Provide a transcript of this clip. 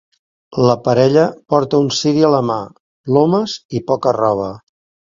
La parella porta un ciri a la mà, plomes i poca roba.